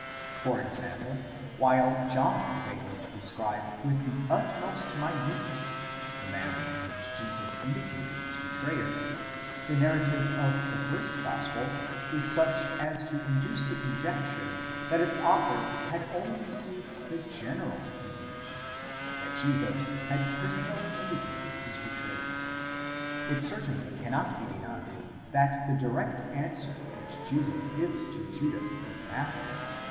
For example, while John is able to describe with the utmost minuteness the manner in which Jesus indicated his betrayer : the narrative of the first gospel is such as to induce the conjecture that its author had only received the general information, that Jesus had personally indicated his betrayer.' It certainly cannot be denied, that the direct answer which Jesus gives to Judas in Mat thew (v.